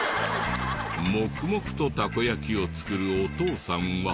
黙々とたこ焼きを作るお父さんは。